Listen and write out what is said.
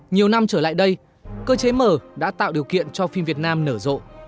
nhiều năm trở lại đây cơ chế mở đã tạo điều kiện cho phim việt nam nở rộ